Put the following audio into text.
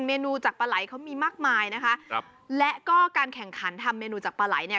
เมนูจากปลาไหลเขามีมากมายนะคะครับและก็การแข่งขันทำเมนูจากปลาไหลเนี่ย